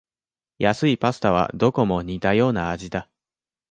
安いパスタはどこも似たような味だ